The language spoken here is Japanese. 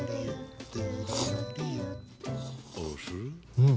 うん。